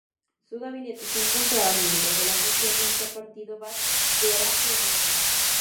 Su gabinete se encontraban miembros de la socialista Partido Baath que era pro-Nasser.